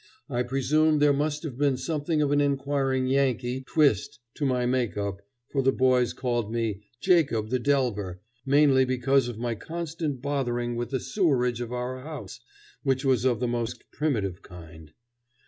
I presume there must have been something of an inquiring Yankee twist to my make up, for the boys called me "Jacob the delver," mainly because of my constant bothering with the sewerage of our house, which was of the most primitive kind.